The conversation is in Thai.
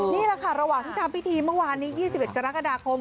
นี่แหละค่ะระหว่างที่ทำพิธีเมื่อวานนี้๒๑กรกฎาคม